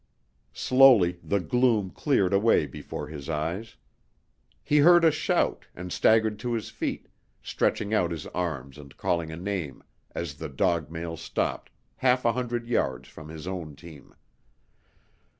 Slowly the gloom cleared away before his eyes. He heard a shout, and staggered to his feet, stretching out his arms and calling a name as the dog mail stopped half a hundred yards from his own team.